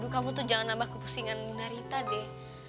kamu tuh jangan nambah kepusingan bunda rita deh